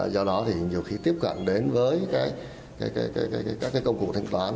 do đó thì nhiều khi tiếp cận đến với các công cụ thanh toán